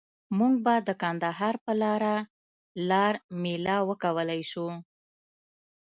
مونږ به د کندهار په لاره لار میله وکولای شو.